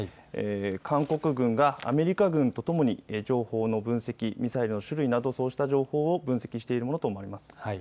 韓国軍がアメリカ軍とともに情報の分析、ミサイルの種類などそうした情報を分析しているものと思われます。